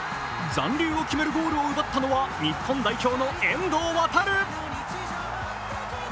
残留を決めるゴールを奪ったのは日本代表の遠藤航。